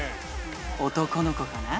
男の子かな？